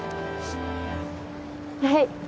はい。